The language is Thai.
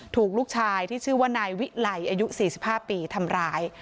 ถูกลูกชายที่ชื่อว่านายวิไลอายุ๔๕ปีทำร้าย